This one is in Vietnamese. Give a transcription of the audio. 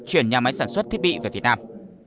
chuyển nhà máy sản xuất thiết bị về việt nam